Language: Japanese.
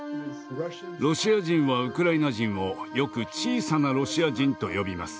ロシア人はウクライナ人をよく「小さなロシア人」と呼びます。